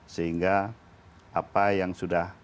sehingga apa yang sudah